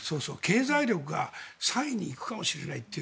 経済力が３位に行くかもしれないという。